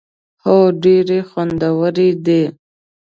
هو، ډیری خوندورې دي